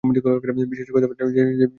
বিশ্বাসই করতে পারছি না, যেভাবে ও ঢুকলো ভেতরে!